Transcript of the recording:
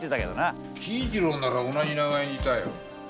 喜一郎なら同じ長屋にいたよ。